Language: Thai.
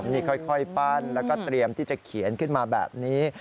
นี่ค่อยปั้นแล้วก็เตรียมที่จะเขียนขึ้นมาแบบนี้